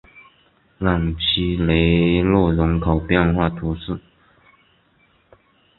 朗屈雷勒人口变化图示